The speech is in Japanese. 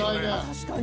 確かに。